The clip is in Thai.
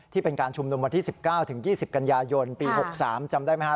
ที่เป็นการชุมรวมวันที่๑๙ถึง๒๐กันยายนปี๖๓จำได้ไหมครับ